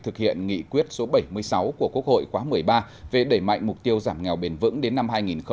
thực hiện nghị quyết số bảy mươi sáu của quốc hội khóa một mươi ba về đẩy mạnh mục tiêu giảm nghèo bền vững đến năm hai nghìn ba mươi